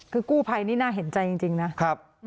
คือกู้ภัยนี่น่าเห็นใจจริงนะครับ